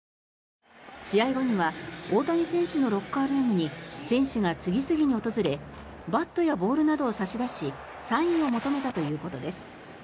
試合後には大谷選手のロッカールームに選手が次々に訪れバットやボールなどを差し出しサインを求めたということです。